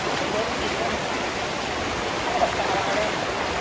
เมื่อเวลาอันดับสุดท้ายจะมีเวลาอันดับสุดท้ายมากกว่า